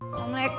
apa itu pak